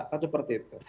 kan seperti itu